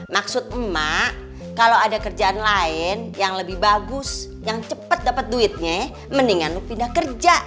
maksud mak kalau ada kerjaan lain yang lebih bagus yang cepet dapet duitnya mendingan lu pindah kerja